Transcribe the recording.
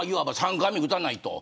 ３回目打たないと。